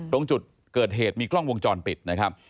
ตรงจุดเกิดเหตุมีกล้องวงจรปิดนะครับ